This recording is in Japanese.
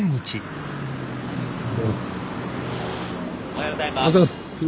おはようございます。